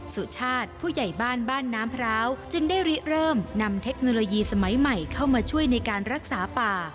สุชาติผู้ใหญ่บ้านบ้านน้ำพร้าวจึงได้ริเริ่มนำเทคโนโลยีสมัยใหม่เข้ามาช่วยในการรักษาป่า